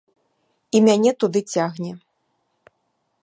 І мяне туды цягне.